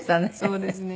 そうですね。